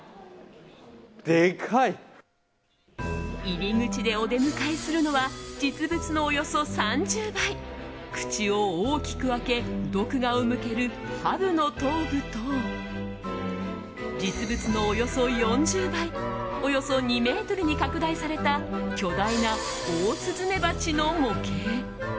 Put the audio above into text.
入り口でお出迎えするのは実物のおよそ３０倍口を大きく開け毒牙を向けるハブの頭部と実物のおよそ４０倍およそ２ｍに拡大された巨大なオオスズメバチの模型。